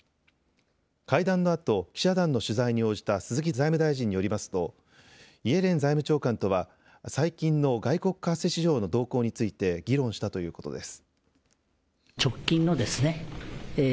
会談のあと記者団の取材に応じた鈴木財務大臣によりますとイエレン財務長官とは最近の外国為替市場の動向について議論したということです。